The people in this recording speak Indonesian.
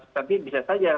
tapi bisa saja